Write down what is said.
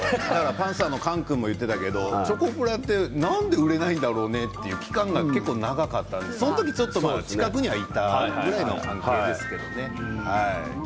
パンサーの菅君も言っていたけれどもチョコプラってなんで売れないんだろうなっていう期間が長かったからその時近くにいたぐらいの関係ですけれどもね。